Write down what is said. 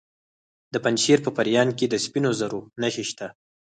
د پنجشیر په پریان کې د سپینو زرو نښې شته.